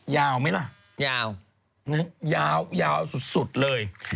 ยาวมั้ยล่ะยาวยาวยาวสุดเลย